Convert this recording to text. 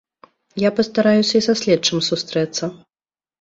Я пастараюся і са следчым сустрэцца.